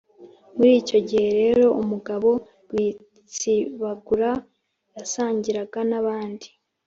muri icyo gihe rero umugabo rwitsibagura yasangiraga n'abandi